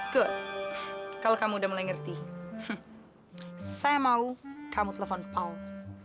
kut kalau kamu udah mulai ngerti saya mau kamu telepon paul